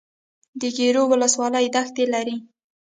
د ګیرو ولسوالۍ دښتې لري